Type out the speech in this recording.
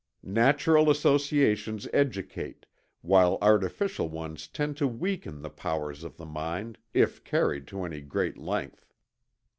Natural associations educate, while artificial ones tend to weaken the powers of the mind, if carried to any great length.